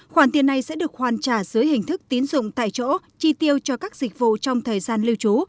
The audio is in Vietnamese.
khoản tiền này sẽ được hoàn trả dưới hình thức tín dụng tại chỗ chi tiêu cho các dịch vụ trong thời gian lưu trú